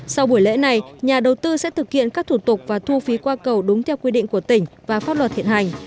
sau buổi lễ này nhà đầu tư sẽ thực hiện các thủ tục và thu phí qua cầu đúng theo quy định của tỉnh và pháp luật hiện hành